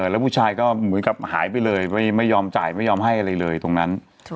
แล้วผู้ชายก็เหมือนกับหายไปเลยไม่ยอมจ่ายไม่ยอมให้อะไรเลยตรงนั้น